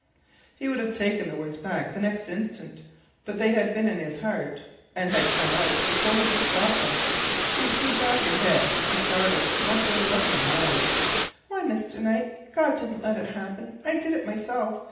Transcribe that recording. He would have taken the words back the next instant, but they had been in his heart, and had come out before he could stop them. She threw back her head, a startled, wondering look in her eyes. "Why, Mr. Knight, God didn't let it happen; I did it myself.